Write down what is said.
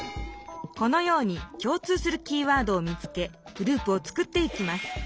このようにきょう通するキーワードを見つけグループを作っていきます。